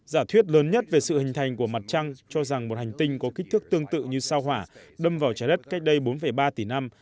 giả thuyết lớn nhất về sự hình thành của mặt trăng cho rằng một hành tinh có kích thước tương tự như sao hỏa đâm vào trái đất cách đây bốn ba tỷ năm